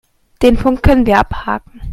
Den Punkt können wir abhaken.